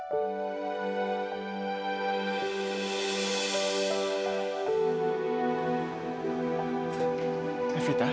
kamu lagi ngapain cik